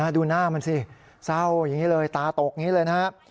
ดูหน้ามันสิเศร้าอย่างนี้เลยตาตกอย่างนี้เลยนะครับ